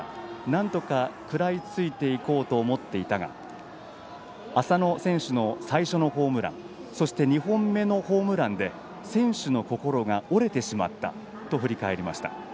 なんとか食らいついていこうと思っていたが浅野選手の最初のホームランそして２本目のホームランで選手の心が折れてしまったと振り返りました。